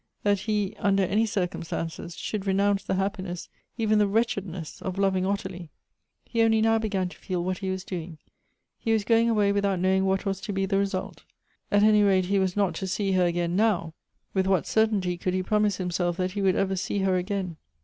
That he, under any circumstances, should renounce the happiness — even .the wretchedness — of loving Ottilie ! He only now began to feel what he was doing — he was going away without knowing what was to be the result. At any rate he was not to see her again now — with what certainty could he prom ise himself that he would ever see her again